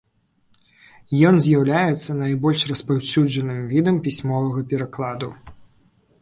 Ён з'яўляецца найбольш распаўсюджаным відам пісьмовага перакладу.